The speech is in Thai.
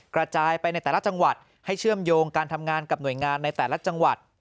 กระจายไปในแต่ละจังหวัดให้เชื่อมโยงการทำงานกับหน่วยงานในแต่ละจังหวัด